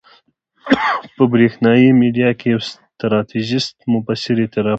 په برېښنایي میډیا کې یو ستراتیژیست مبصر اعتراف وکړ.